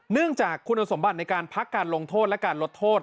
เนื่องจากคุณสมบัติในการพักการลงโทษและการลดโทษ